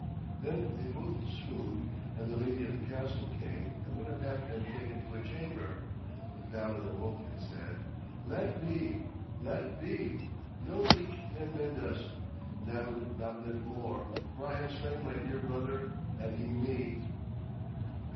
Then they both swooned, and the lady of the castle came and would have had them taken to a chamber. But Balan awoke and said: 'Let be! let be! No leech can mend us. And I would not live more, for I have slain my dear brother and he me!'